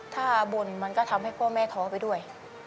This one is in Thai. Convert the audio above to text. ถ้าบ่นมันก็ทำให้พ่อแม่ท้อไปด้วย